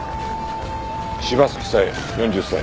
柴崎佐江４０歳。